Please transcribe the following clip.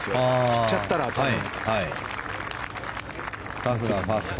振っちゃったら、多分。